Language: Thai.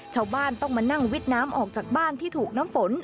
ชาวบ้านต้องมานั่งวิดน้ำออกจากบ้านที่ถูกน้ำฝน